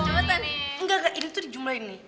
enggak enggak ini tuh dijumlahin nih